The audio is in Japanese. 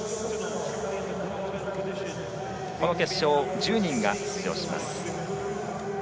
この決勝に１０人が出場します。